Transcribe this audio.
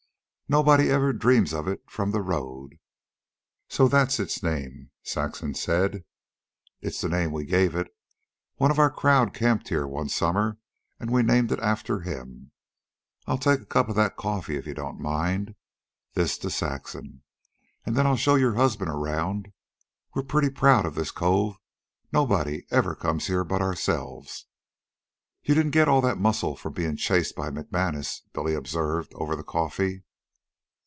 "Nobody ever dreams of it from the road." "So that's its name?" Saxon said. "It's the name we gave it. One of our crowd camped here one summer, and we named it after him. I'll take a cup of that coffee, if you don't mind." This to Saxon. "And then I'll show your husband around. We're pretty proud of this cove. Nobody ever comes here but ourselves." "You didn't get all that muscle from bein' chased by McManus," Billy observed over the coffee.